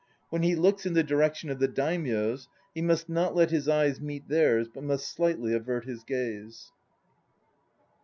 When he looks in the direction of the Daimyos he must not let his eyes meet theirs, but must slightly avert his gaze.